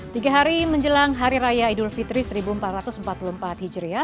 tiga hari menjelang hari raya idul fitri seribu empat ratus empat puluh empat hijriah